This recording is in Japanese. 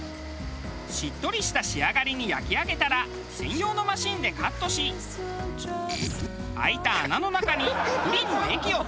しっとりした仕上がりに焼き上げたら専用のマシンでカットし開いた穴の中にプリンの液を投入。